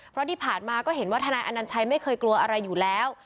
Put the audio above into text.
เพราะที่ผ่านมาก็เห็นว่าทนายอนัญชัยไม่เคยกลัวอะไรอยู่แล้ว